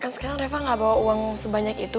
kan sekarang reva nggak bawa uang sebanyak itu